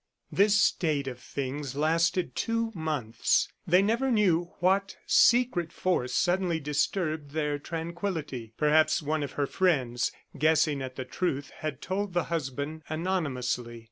This state of things lasted two months. They never knew what secret force suddenly disturbed their tranquility. Perhaps one of her friends, guessing at the truth, had told the husband anonymously.